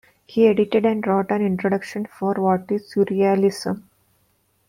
He edited and wrote an introduction for What is Surrealism?